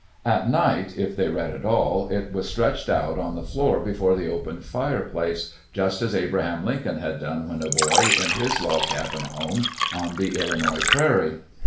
At night, if they read at all, it was stretched out on the floor before the open fireplace, just as Abraham Lincoln had done when a boy in his log cabin home on the Illinois prairie.